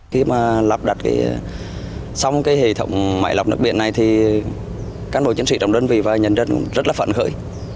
khi mà lắp đặt xong cái hệ thống máy lọc nước biển này thì cán bộ chiến sĩ trong đơn vị và nhân dân rất là phấn khởi